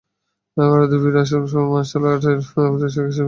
ভারতে ফিরে আসার পরে মার্শাল আর্টের প্রশিক্ষক হিসেবে পেশা শুরু করেন।